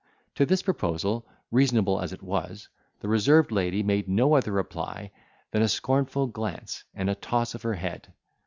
To this proposal, reasonable as it was, the reserved lady made no other reply than a scornful glance and a toss of her head.